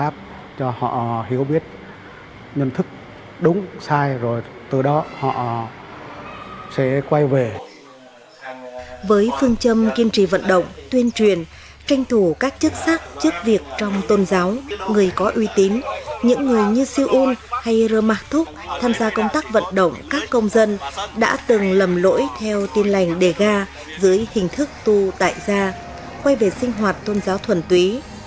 phương châm kiên trì vận động tuyên truyền tranh thủ các chức sắc trước việc trong tôn giáo người có uy tín những người như siêu ún hay rơ mạc thúc tham gia công tác vận động các công dân đã từng lầm lỗi theo tin lành đề ga dưới hình thức tu tại gia quay về sinh hoạt tôn giáo thuần túy